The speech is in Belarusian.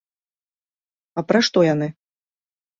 А пра што яны?